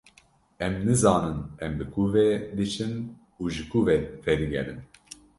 Em nizanin em bi ku ve diçin û ji ku ve vedigerin.